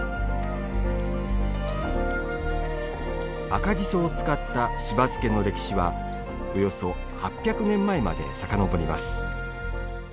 赤じそを使ったしば漬けの歴史はおよそ８００年前までさかのぼります。